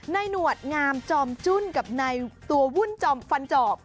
หนวดงามจอมจุ้นกับในตัววุ่นจอมฟันจอบ